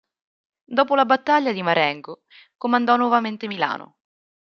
Dopo la battaglia di Marengo, comandò nuovamente Milano.